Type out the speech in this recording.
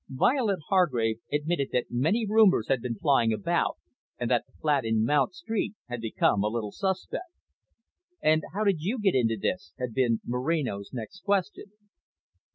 Violet Hargrave admitted that many rumours had been flying about, and that the flat in Mount Street had become a little suspect. "And how did you get into this?" had been Moreno's next question.